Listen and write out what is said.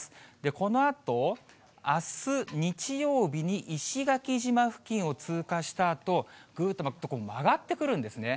このあと、あす日曜日に石垣島付近を通過したあと、ぐーっと曲がってくるんですね。